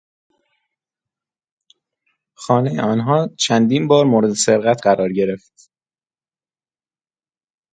خانهی آنها چندین بار مورد سرقت قرار گرفت.